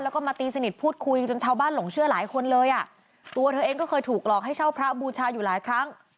แล้วก็มาตีสนิทพูดคุยจนชาวบ้านหลงเชื่อหลายคนเลยอ่ะตัวเธอเองก็เคยถูกหลอกให้เช่าพระบูชาอยู่หลายครั้ง